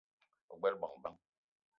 Ogbela bongo bang ?